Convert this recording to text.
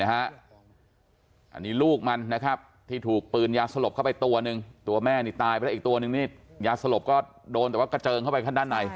อันนี้ลูกมันนะครับที่ถูกปืนยาสลบเข้าไปตัวนึงตัวแม่นี่ตายไปแล้วอีกตัวนึงนี่ยาสลบก็โดนแต่ว่ากระเจิงเข้าไปข้างด้านใน